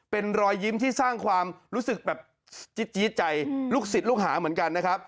เป็นรอยยิ้มที่สร้างความรู้สึกแบบจี๊ดใจลูกศิษย์ลูกหาเหมือนกันนะครับ